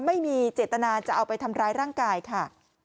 ไม่มีเจตนาจะเอาไปทำร้ายร่างกายค่ะ